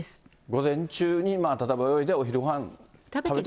午前中に例えば泳いで、お昼ごはん食べて。